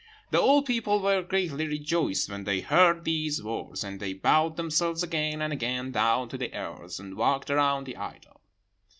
"The old people were greatly rejoiced when they heard these words; and they bowed themselves again and again down to the earth, and walked around the idol.